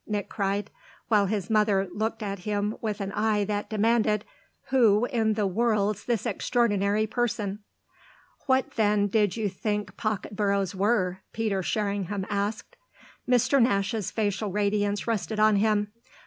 Nick cried; while his mother looked at him with an eye that demanded: "Who in the world's this extraordinary person?" "What then did you think pocket boroughs were?" Peter Sherringham asked. Mr. Nash's facial radiance rested on him.